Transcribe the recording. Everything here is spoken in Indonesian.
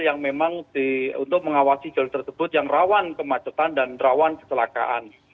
yang memang untuk mengawasi jalur tersebut yang rawan kemacetan dan rawan kecelakaan